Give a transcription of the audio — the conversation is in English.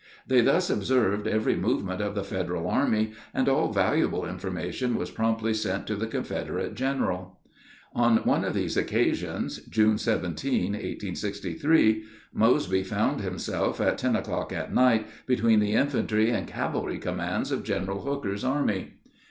They thus observed every movement of the Federal army, and all valuable information was promptly sent to the Confederate general. On one of these occasions, June 17, 1863, Mosby found himself at ten o'clock at night between the infantry and cavalry commands of General Hooker's army.